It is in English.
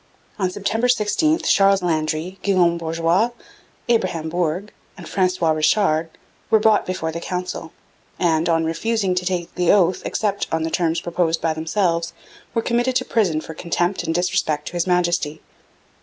On September 16 Charles Landry, Guillaume Bourgois, Abraham Bourg, and Francois Richard were brought before the Council, and, on refusing to take the oath except on the terms proposed by themselves, were committed to prison for contempt and disrespect to His Majesty.